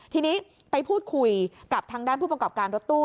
ทีนี้ไปพูดคุยกับทางด้านผู้ประกอบการรถตู้